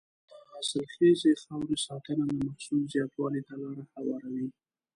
د حاصلخیزې خاورې ساتنه د محصول زیاتوالي ته لاره هواروي.